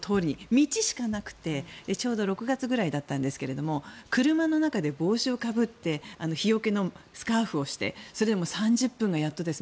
道しかなくてちょうど６月ぐらいだったんですが車の中で帽子をかぶって日よけのスカーフをしてそれでも３０分がやっとです。